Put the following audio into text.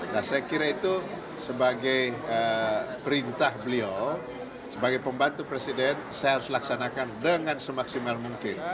nah saya kira itu sebagai perintah beliau sebagai pembantu presiden saya harus laksanakan dengan semaksimal mungkin